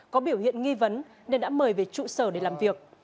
có biểu hiện nghi vấn nên đã mời về trụ sở để làm việc